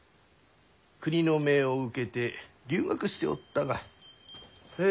国の命を受けて留学しておったがえ